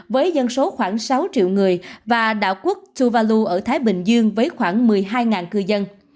với dân số khoảng sáu triệu người và đảo quốc tou ở thái bình dương với khoảng một mươi hai cư dân